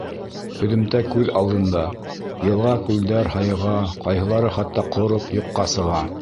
Һөҙөмтә күҙ алдында: йылға-күлдәр һайыға, ҡайһылары хатта ҡороп, юҡҡа сыға.